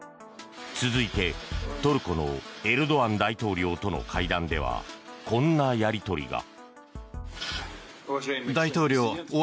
続いてトルコのエルドアン大統領との会談ではこんなやり取りが。